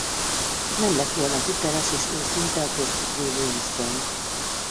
Nem lett volna hiteles és őszinte a köztük lévő viszony.